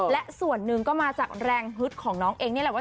และส่วนหนึ่งก็มาจากแรงฮึดของน้องเองนี่แหละว่า